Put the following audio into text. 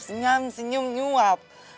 senyam senyum nyuap